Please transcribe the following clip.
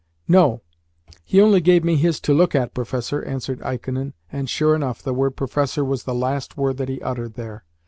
"No. He only gave me his to look at, professor," answered Ikonin and, sure enough, the word "professor" was the last word that he uttered there.